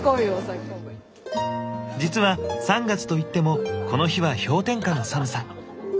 実は３月といってもこの日は氷点下の寒さ。